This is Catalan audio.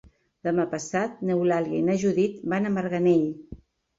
Demà passat n'Eulàlia i na Judit van a Marganell.